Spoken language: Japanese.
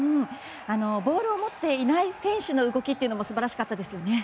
ボールを持っていない選手の動きも素晴らしかったですよね。